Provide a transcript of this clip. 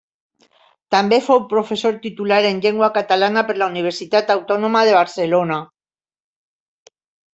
També fou professor titulat en llengua catalana per la Universitat Autònoma de Barcelona.